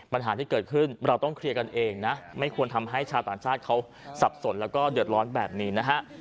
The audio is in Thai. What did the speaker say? ปัญหาที่เกิดขึ้นเราต้องเคลียร์กันเองนะไม่ควรทำให้ชาวต่างชาติเขาสับสนแล้วก็เดือดร้อนแบบนี้นะฮะ